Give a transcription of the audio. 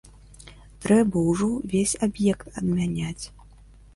Трэба ўжо ўвесь аб'ект адмяняць.